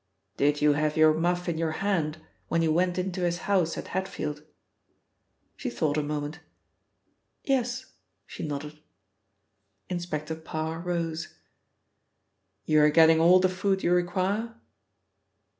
"Did you have your muff in your hand when you went into his house at Hatfield?" She thought a moment. "Yes," she nodded. Inspector Parr rose. "You're getting all the food you require?"